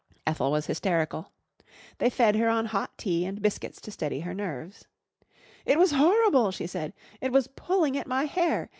Ethel was hysterical. They fed her on hot tea and biscuits to steady her nerves. "It was horrible!" she said. "It was pulling at my hair.